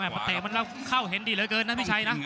ประเทศมันเข้าเห็นดีเหลือเกินนะไม่ใช่นะ